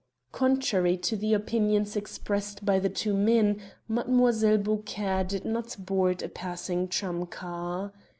Contrary to the opinions expressed by the two men, Mlle. Beaucaire did not board a passing tramcar.